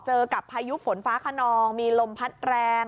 เจอกับพายุฝนฟ้าขนองมีลมพัดแรง